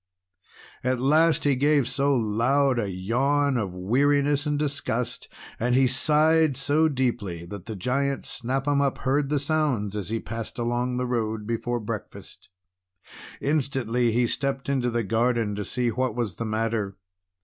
At last he gave so loud a yawn of weariness and disgust, and he sighed so deeply, that the Giant Snap 'Em Up heard the sounds as he passed along the road before breakfast. Instantly he stepped into the garden to see what was the matter.